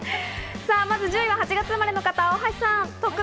１０位は８月生まれの方、大橋さん。